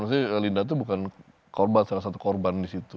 maksudnya linda itu bukan salah satu korban di situ